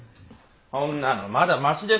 そんなのまだましですよ。